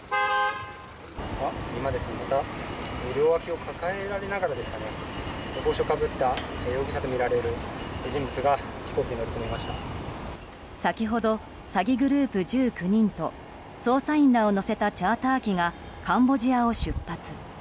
今、両脇を抱えられながら帽子をかぶった容疑者とみられる人物が先ほど詐欺グループ１９人と捜査員らを乗せたチャーター機がカンボジアを出発。